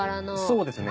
そうですね。